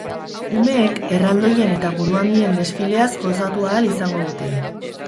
Umeek erraldoien eta buruhandien desfileaz gozatu ahal izango dute.